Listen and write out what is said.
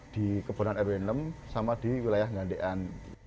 di kebunan erwin lem sama di wilayah ngandekan